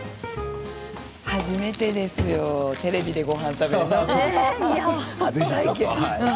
初めてですよ、テレビでごはん食べるの。